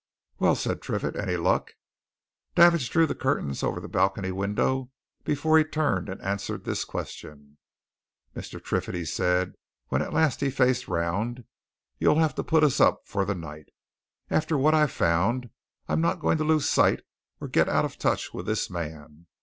"Well?" said Triffitt. "Any luck?" Davidge drew the curtains over the balcony window before he turned and answered this question. "Mr. Triffitt," he said, when at last he faced round, "you'll have to put us up for the night. After what I've found, I'm not going to lose sight, or get out of touch with this man.